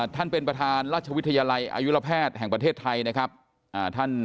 ท่านเป็นประธานราชวิทยาลัยอายุรแพทย์แห่งประเทศไทยนะครับ